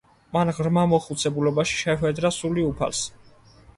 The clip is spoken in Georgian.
მან ღრმა მოხუცებულობაში შეჰვედრა სული უფალს.